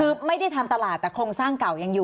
คือไม่ได้ทำตลาดแต่โครงสร้างเก่ายังอยู่